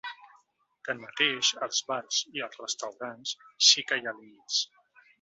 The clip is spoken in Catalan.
Tanmateix, als bars i als restaurants sí que hi ha límits.